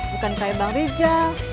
bukan kayak bang rijal